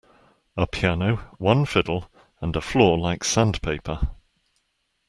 A piano, one fiddle, and a floor like sandpaper.